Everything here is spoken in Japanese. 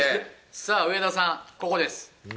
さあ、上田さん、ここです。